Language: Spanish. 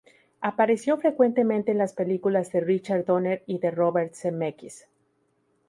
Apareció frecuentemente en las películas de Richard Donner y de Robert Zemeckis.